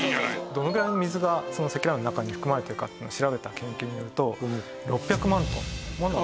どのぐらいの水がその積乱雲の中に含まれているかというのを調べた研究によると６００万トンもの水が。